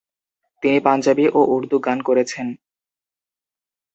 তিনি পাঞ্জাবি ও উর্দু গান করেছেন।